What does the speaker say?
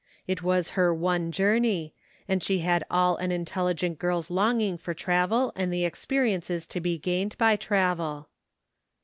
It was her one journey, and she had all an intelligent girl's longing for travel and the experiences to be gained by travel.